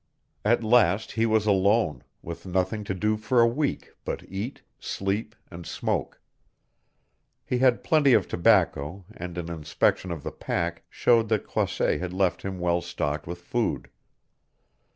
At last he was alone, with nothing to do for a week but eat, sleep and smoke. He had plenty of tobacco and an inspection of the pack showed that Croisset had left him well stocked with food.